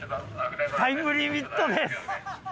タイムリミットです。